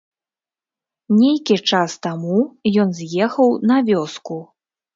Нейкі час таму ён з'ехаў на вёску.